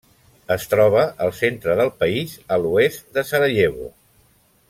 Es troba al centre del país, a l'oest de Sarajevo.